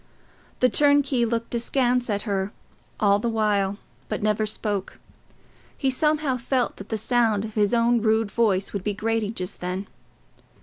The turnkey looked askance at her all the while, but never spoke. He somehow felt that the sound of his own rude voice would be grating just then.